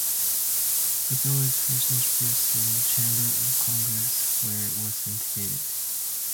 The bill is first introduced in the chamber of Congress where it was initiated.